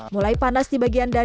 mulai panas di bagian dada